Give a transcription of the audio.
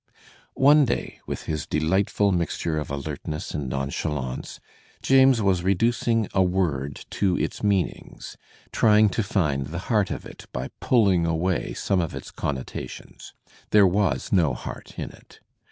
One day, with his delightfid mixture of alertness and nonchalance, James was reducing a word to its meanings, trying to find the heart of it by pulling away some of its connotations. There was no heart in it.